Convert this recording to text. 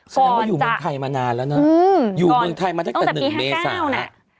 แสดงว่าอยู่เมืองไทยมานานแล้วนะอยู่เมืองไทยมาตั้งแต่๑เมษาแล้ว